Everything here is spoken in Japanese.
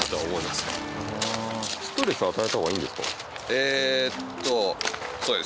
えーっと。